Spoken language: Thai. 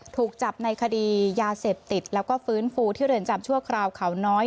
ถูกจับในคดียาเสพติดแล้วก็ฟื้นฟูที่เรือนจำชั่วคราวเขาน้อย